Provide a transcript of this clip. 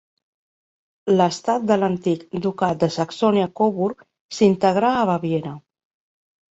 L'estat de l'antic Ducat de Saxònia-Coburg s'integrà a Baviera.